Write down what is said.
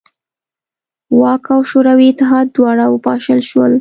واک او شوروي اتحاد دواړه وپاشل شول.